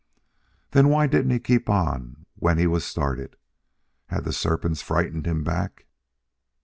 Then why didn't he keep on when he was started? Had the serpents frightened him back?"